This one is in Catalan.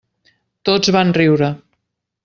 Tots van riure.